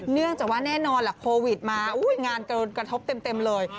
เนื่องจากว่าแน่นอนล่ะโควิดมางานกระทบเต็มเลย